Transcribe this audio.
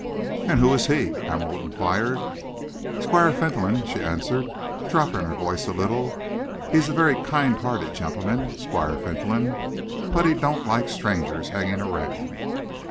"And who is he?" Hamel enquired. "Squire Fentolin," she answered, dropping her voice a little. "He's a very kind hearted gentleman, Squire Fentolin, but he don't like strangers hanging around."